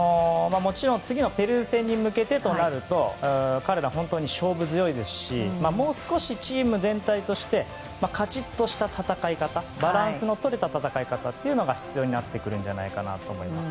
もちろん次のペルー戦に向けてとなると彼ら、本当に勝負強いですしもう少しチーム全体としてカチッとした戦い方バランスの取れた戦い方が必要になってくると思います。